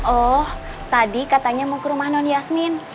oh tadi katanya mau ke rumah non yasmin